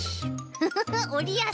フフフおりやすい。